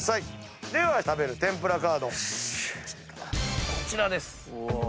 では食べる天ぷらカードこちらです。